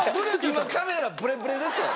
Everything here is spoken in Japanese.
今カメラブレブレでしたよ。